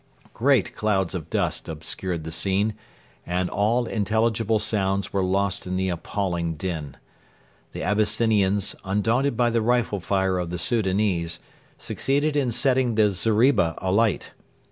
Great clouds of dust obscured the scene, and all intelligible sounds were lost in the appalling din. The Abyssinians, undaunted by the rifle fire of the Soudanese, succeeded in setting the zeriba alight.